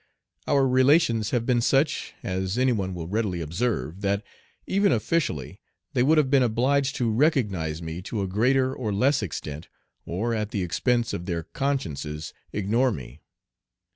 Our relations have been such, as any one will readily observe, that even officially they would have been obliged to recognize me to a greater or less extent, or at the expense of their consciences ignore me.